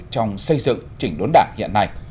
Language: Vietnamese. trong xây dựng trình đốn đảng hiện nay